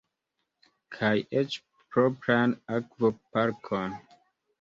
Kaj eĉ propran akvoparkon!